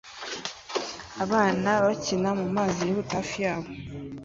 Abana bakina mumazi yihuta hafi yabo